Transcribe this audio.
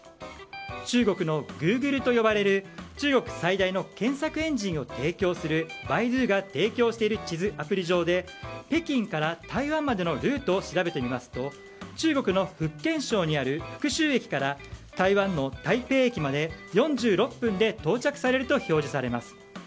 中国のグーグルと呼ばれる中国最大の検索エンジンを提供するバイドゥが提供する地図アプリ上で北京から台湾までのルートを調べてみますと中国の福建省にある福州駅から台湾の台北駅まで４６分で到着されると表示されます。